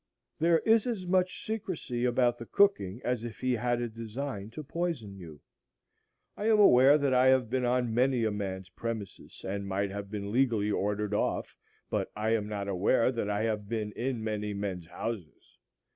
There is as much secrecy about the cooking as if he had a design to poison you. I am aware that I have been on many a man's premises, and might have been legally ordered off, but I am not aware that I have been in many men's houses.